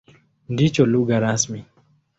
Ndicho lugha rasmi.